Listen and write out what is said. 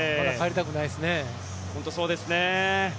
本当にそうですね。